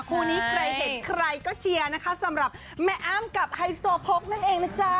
คู่นี้ใครเห็นใครก็เชียร์นะคะสำหรับแม่อ้ำกับไฮโซโพกนั่นเองนะจ๊ะ